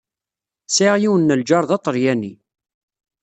Sɛiɣ yiwen n lǧaṛ d aṭelyani.